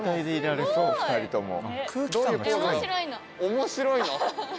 面白いの？